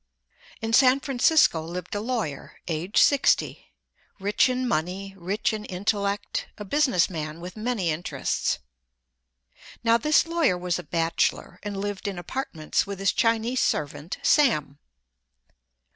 SAM In San Francisco lived a lawyer—age, sixty—rich in money, rich in intellect, a business man with many interests. Now, this lawyer was a bachelor, and lived in apartments with his Chinese servant "Sam."